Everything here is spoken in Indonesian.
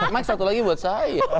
mike satu lagi buat saya